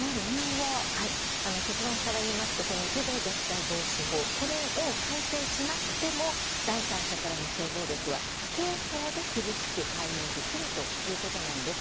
結論からいいますと児童虐待防止法を改正しなくても第三者からの性暴力は刑法で厳しく対応できるということなんです。